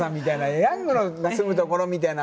ヤングの住むところみたいな。